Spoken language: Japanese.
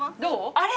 あれ？